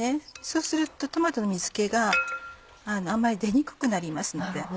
そうするとトマトの水気があんまり出にくくなりますので。